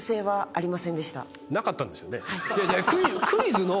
はい。